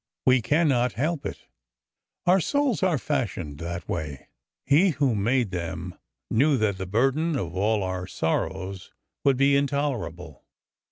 We cannot help it. Our souls are fashioned that way. He who made them knew that the burden of all our sor rows would be intolerable.